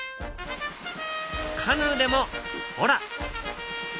カヌーでもほら。